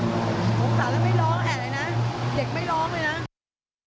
สงสารแล้วไม่ร้องแอบเลยนะเด็กไม่ร้องเลยนะ